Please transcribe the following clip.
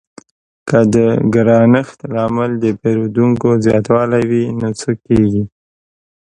که د ګرانښت لامل د پیرودونکو زیاتوالی وي نو څه کیږي؟